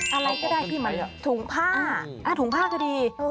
อะไรก็ได้ถุงผ้าก็ดี